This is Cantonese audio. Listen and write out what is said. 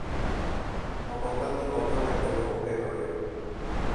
我覺得呢個都係最好嘅佢